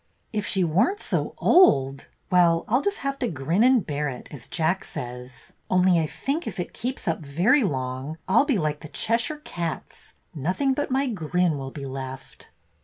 "If she were n't so old ! Well, I'll just have to grin and bear it, as Jack says, only I think if it keeps up very long, I 'll be like the Cheshire cats, — nothing but my grin will be left."